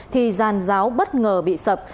thì gian giáo bất ngờ bị sập